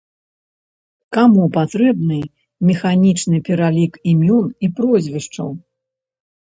Каму патрэбны механічны пералік імён і прозвішчаў?